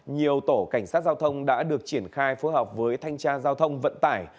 nhiều tổ cảnh sát giao thông đã được triển khai phối hợp với thanh tra giao thông vận tải